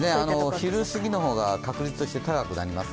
昼すぎの方が確率として高くなります。